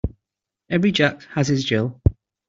Every Jack has his Jill.